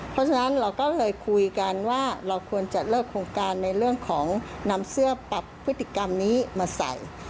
เพราะฉะนั้นเราก็เลยคุยกันว่าเราควรจะเลิกโครงการในเรื่องของนำเสื้อปรับพฤติกรรมนี้มาใส่